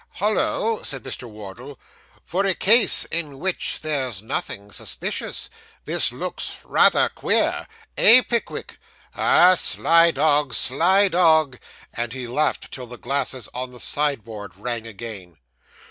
'Hollo!' said Wardle; 'for a case in which there's nothing suspicious, this looks rather queer eh, Pickwick? Ah, sly dog sly dog!' and he laughed till the glasses on the sideboard rang again.